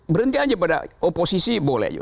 berhenti aja pada oposisi boleh